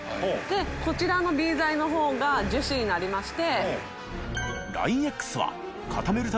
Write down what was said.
こちらのＢ剤の方が樹脂になりまして。